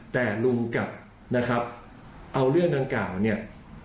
แต่ลุงกับนะครับเอาเรื่องดังกล่าวเนี่ย